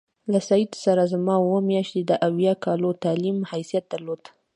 له سید سره زما اووه میاشتې د اویا کالو تعلیم حیثیت درلود.